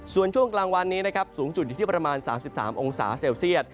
ส่วนช่วงกลางวันนี้นะครับสูงสุดอยู่ที่ประมาณ๓๓องศาเซลเซียต